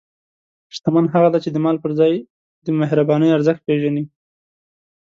شتمن هغه دی چې د مال پر ځای د مهربانۍ ارزښت پېژني.